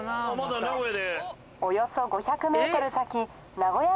およそ５００ｍ先。